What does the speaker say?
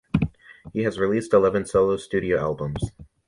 He has released eleven solo studio albums.